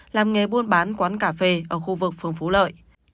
làm nghề buôn bán quán cà phê ở khu vực phường phú lợi